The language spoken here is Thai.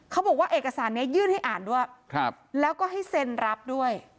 เขาบอกว่าเอกสารนี้ยื่นให้อ่านด้วยแล้วก็ให้เซ็นรับด้วย